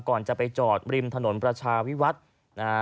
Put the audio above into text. ก่อนจะไปจอดริมถนนประชาวิวัฒน์นะฮะ